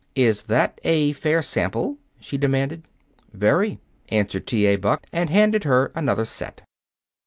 "Is that a fair sample?" she demanded. "Very," answered T. A. Buck, and handed her another set.